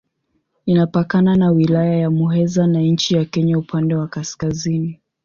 Inapakana na Wilaya ya Muheza na nchi ya Kenya upande wa kaskazini.